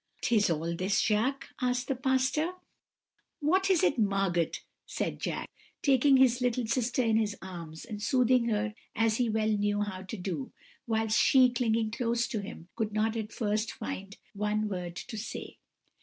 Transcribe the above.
"'What is all this, Jacques?' asked the pastor. "'What is it, Margot?' said Jacques, taking his little sister in his arms, and soothing her as he well knew how to do; whilst she, clinging close to him, could not at first find one word to say.